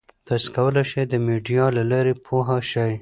تاسي کولای شئ د میډیا له لارې پوهه شئ.